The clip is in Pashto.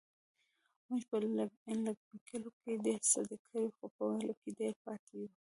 مونږ په لکيلو کې ډير څه کړي خو په ويلو کې ډير پاتې يو.